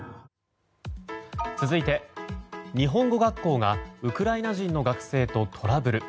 続いて日本語学校がウクライナ人の学生とトラブル。